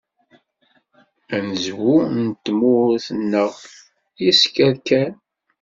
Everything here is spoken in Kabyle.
Anezwu n tmurt-nneɣ yesker kan.